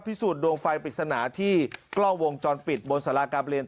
สูจนดวงไฟปริศนาที่กล้องวงจรปิดบนสาราการเปลี่ยน